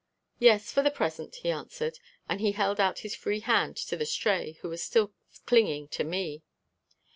"Yes, for the present," he answered, and he held out his free hand to the Stray, who was still clinging to me.